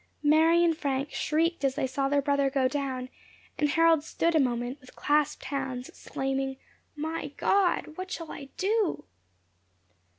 Mary and Frank shrieked as they saw their brother go down, and Harold stood a moment, with clasped hands, exclaiming, "My God! What shall I do?"